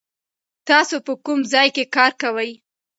تاسو په کوم ځای کې کار کوئ؟